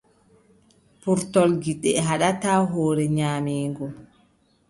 Purtol gite haɗataa hoore nyaameego.